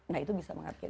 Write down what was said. nah itu bisa mengatakan apa